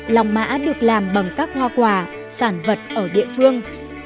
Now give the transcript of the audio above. lòng mã được làm bằng các hoa quả sản vật ở địa phương